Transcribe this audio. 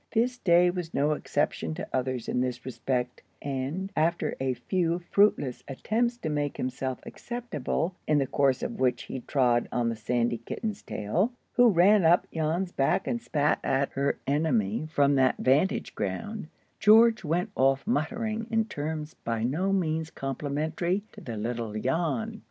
This day was no exception to others in this respect; and after a few fruitless attempts to make himself acceptable, in the course of which he trod on the sandy kitten's tail, who ran up Jan's back and spat at her enemy from that vantage ground, George went off muttering in terms by no means complimentary to the little Jan.